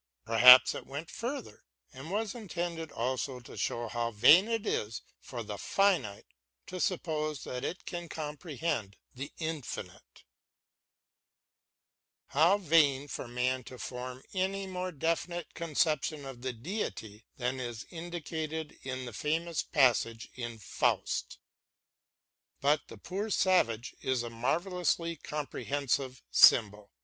Perhaps it went further, and was intended also to show how vain it is for the finite to suppose that it can comprehend the infinite ; how vain for man to form any more *" Religio Laici." 226 BROWNING AND MONTAIGNE definite conception of the Deity than is indicated in the famous passage in " Faust." But the poor savage is a marvellously comprehensive symbol.